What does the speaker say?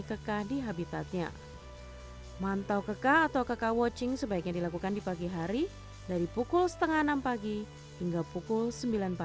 kegiatan ini adalah kegiatan menghapus